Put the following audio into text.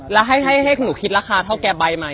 และให้หนูคิดราคาเท่าแคมป์ใบด์ไหม